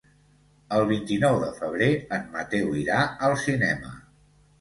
El vint-i-nou de febrer en Mateu irà al cinema.